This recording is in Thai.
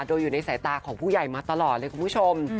โดยอยู่ในสายตาของผู้ใหญ่มาตลอดเลยคุณผู้ชม